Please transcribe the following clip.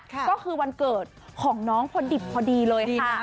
ก็คือวันเกิดของน้องพอดิบพอดีเลยค่ะ